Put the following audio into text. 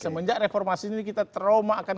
semenjak reformasi ini kita trauma akan